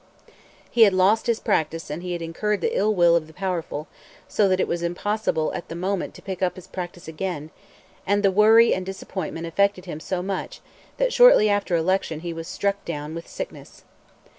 He had lost his practice and he had incurred the ill will of the powerful, so that it was impossible at the moment to pick up his practice again; and the worry and disappointment affected him so much that shortly after election he was struck down by sickness.